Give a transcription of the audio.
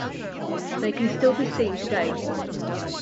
They still can be seen today.